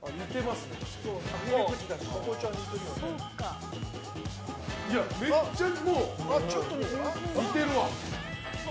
似てるわ。